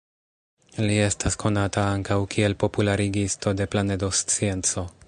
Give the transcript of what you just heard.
Li estas konata ankaŭ kiel popularigisto de planedoscienco.